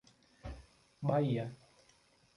Bahia